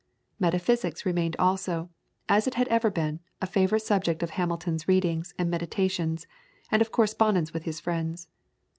Metaphysics remained also, as it had ever been, a favourite subject of Hamilton's readings and meditations and of correspondence with his friends.